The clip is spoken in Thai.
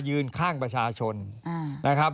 ยืนข้างประชาชนนะครับ